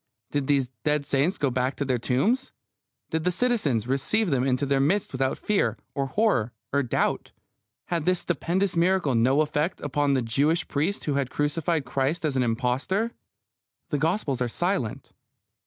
Did these dead saints go back to their tombs? Did the citizens receive them into their midst without fear, or horror, or doubt? Had this stupendous miracle no effect upon the Jewish priests who had crucified Christ as an impostor? The Gospels are silent.